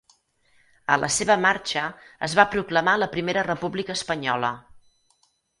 A la seva marxa es va proclamar la Primera República Espanyola.